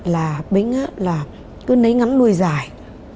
là bính á là cứ nấy ngắn nuôi dài